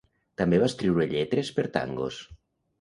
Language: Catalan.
També va escriure lletres per tangos.